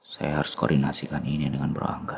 saya harus koordinasikan ini dengan bro angga